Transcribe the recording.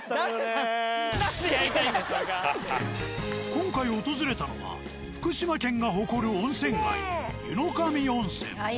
今回訪れたのは福島県が誇る温泉街湯野上温泉。